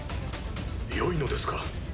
よいのですか？